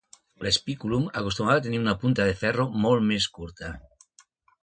L'"spiculum" acostumava a tenir una punta de ferro molt més curta.